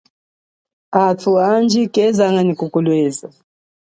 Athu andji kezanga nyi kukulweza.